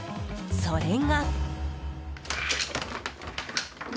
それが。